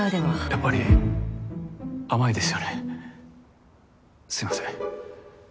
やっぱり甘いですよねすいません。